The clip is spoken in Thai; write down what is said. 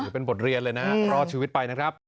เป็นบทเรียนเลยนะรอดชีวิตไปนะครับ